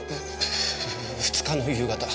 ２日の夕方。